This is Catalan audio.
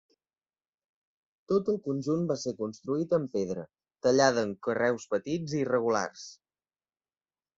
Tot el conjunt va ser construït amb pedra, tallada en carreus petits i irregulars.